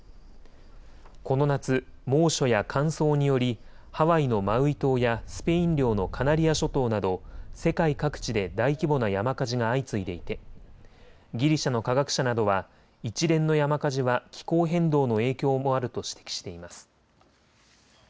この夏、猛暑や乾燥によりハワイのマウイ島やスペイン領のカナリア諸島など世界各地で大規模な山火事が相次いでいてギリシャの科学者などは一連の山火事は気候変動の影響もあると指摘しています。